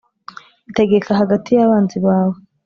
Tegeka hagati y’abanzi bawe.